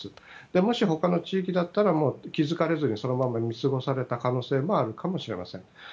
もし、他の地域だったら気づかれずにそのまま見過ごされた可能性もあるかもしれません。